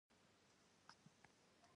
د شوخیو څخه ډکي نڅاګرې غزل رنګه